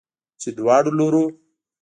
چې دواړو لورو